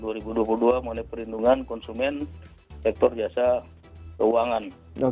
mengenai perlindungan konsumen sektor jasa keuangan